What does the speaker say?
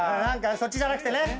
そっちじゃなくてね。